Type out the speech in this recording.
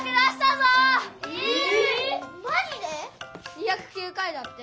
２０９回だって。